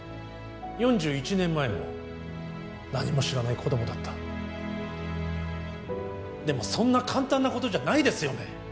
４１年前も何も知らない子供だったでもそんな簡単なことじゃないですよね